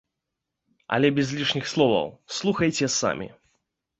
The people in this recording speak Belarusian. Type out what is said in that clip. Але без лішніх словаў, слухайце самі!